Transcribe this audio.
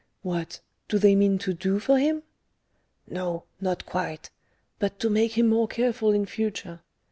"What, do they mean to do for him?" "No, not quite, but to make him more careful in future.